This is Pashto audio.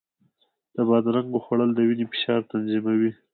د بادرنګو خوړل د وینې فشار تنظیموي.